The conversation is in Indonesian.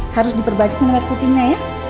harus diperbaiki dengan putrinya ya